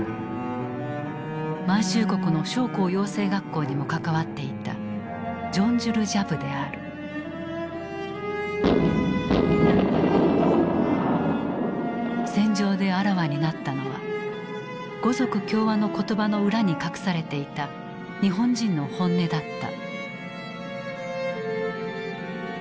満州国の将校養成学校にも関わっていた戦場であらわになったのは「五族協和」の言葉の裏に隠されていた日本人の本音だった。